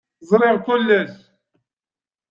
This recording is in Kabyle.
Ẓṛiɣ kullec.